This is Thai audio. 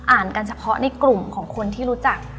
กันเฉพาะในกลุ่มของคนที่รู้จัก